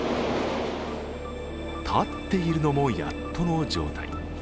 立っているのもやっとの状態。